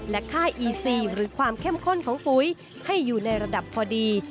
และค่าอีซีหรือความเข้มข้นของปุ๋ยให้อยู่ในระดับพอดี